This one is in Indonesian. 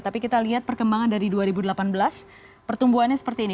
tapi kita lihat perkembangan dari dua ribu delapan belas pertumbuhannya seperti ini